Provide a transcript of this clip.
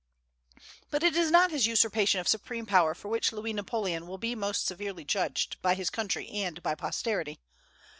But it is not his usurpation of supreme power for which Louis Napoleon will be most severely judged by his country and by posterity.